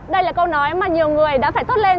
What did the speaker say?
đây là câu nói mà nhiều người đã phải tốt lên